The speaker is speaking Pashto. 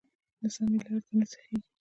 د سمې لارې ته نه سیخېږي.